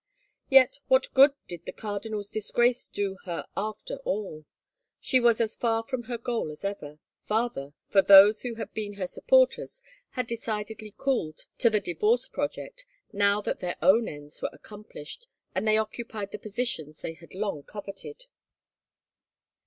Yet what good did the cardinal's disgrace do her after all ? She was as far from her goal as ever, farther, for those who had been her supporters had decidedly cooled to the divorce project now that their own ends were accomplished and they occupied the positions they had long coveted.